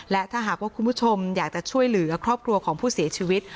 และถ้าหากว่าคุณผู้ชมอยากจะช่วยเหลือครอบครัวของผู้เสียชีวิต